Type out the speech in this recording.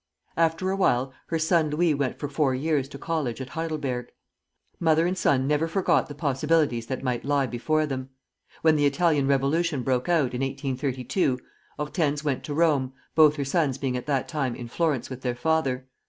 After a while her son Louis went for four years to college at Heidelberg. Mother and son never forget the possibilities that might lie before them. When the Italian revolution broke out, in 1832, Hortense went to Rome, both her sons being at that time in Florence with their father.